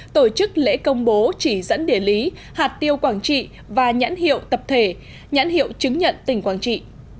tổ chức lễ công bố chỉ dẫn địa lý hạt tiêu quảng trị và nhãn hiệu tập thể nhãn hiệu chứng nhận tỉnh quảng trị